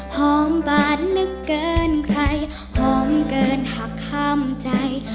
หอมบาดลึกเกินใครหอมเกินหักข้ามใจ